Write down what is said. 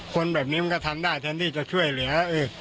คนแบบนี้มันก็ทำได้แทนที่จะช่วยเหลือ